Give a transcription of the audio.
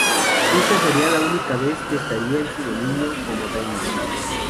Ésta sería la única vez que estaría en su dominio como daimio.